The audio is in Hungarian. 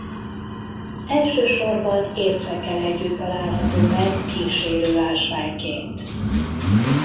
Elsősorban ércekkel együtt található meg kísérő ásványként.